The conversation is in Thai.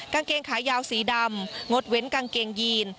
กางเกงขายาวสีดำงดเว้นกางเกงยีน